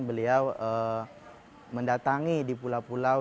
beliau mendatangi di pulau pulau